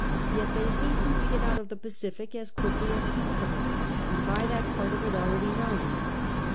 Yet thC hastened to get out of the Pacific as quickly as possible, and by that part of it already known.